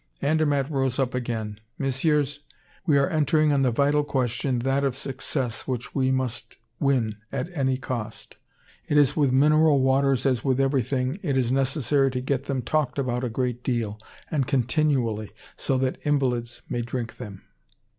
Andermatt rose up again: "Messieurs, we are entering on the vital question, that of success, which we must win at any cost. "It is with mineral waters as with everything. It is necessary to get them talked about a great deal, and continually, so that invalids may drink them.